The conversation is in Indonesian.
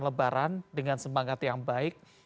lebaran dengan semangat yang baik